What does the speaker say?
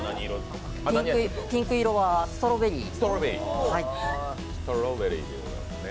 ピンク色はストロベリー。